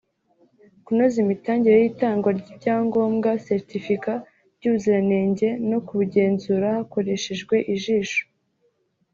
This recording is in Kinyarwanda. kunoza imitangire y’itangwa ry’ibyangombwa (Certificat) by’ubuziranenge no kubugenzura hakoreshejwe ijisho